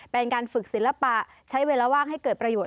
เป็นการฝึกศิลปะใช้เวลาว่างให้เกิดประโยชน